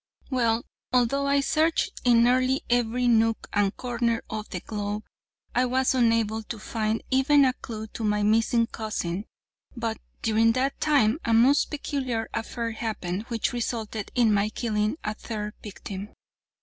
"'Well, although I searched in nearly every nook and corner of the globe, I was unable to find even a clue to my missing cousin, but during that time a most peculiar affair happened, which resulted in my killing a third victim.